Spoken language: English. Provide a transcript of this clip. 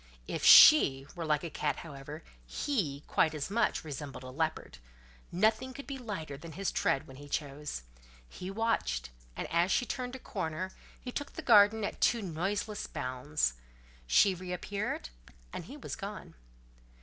If she were like a cat, however, he, quite as much, resembled a leopard: nothing could be lighter than his tread when he chose. He watched, and as she turned a corner, he took the garden at two noiseless bounds. She reappeared, and he was gone.